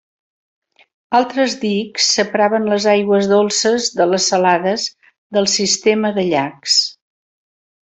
Altres dics separaven les aigües dolces de les salades del sistema de llacs.